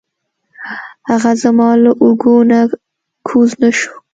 هغه زما له اوږو نه کوز نه شو.